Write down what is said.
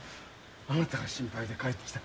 あなたが心配で帰ってきた。